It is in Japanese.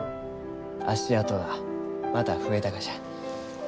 足跡がまた増えたがじゃ。